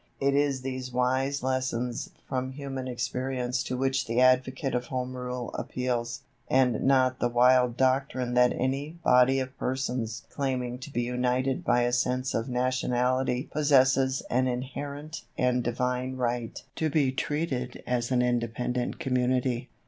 It is these wise lessons from human experience to which the advocate of Home Rule appeals, and not the wild doctrine that any body of persons claiming to be united by a sense of nationality possesses an inherent and divine right to be treated as an independent community.